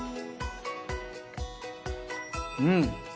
うん！